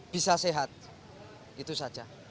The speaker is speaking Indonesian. bisa sehat itu saja